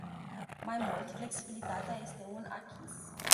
Mai mult, flexibilitatea este un "acquis”.